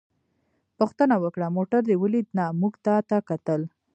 پوښتنه وکړه: موټر دې ولید؟ نه، موږ تا ته کتل.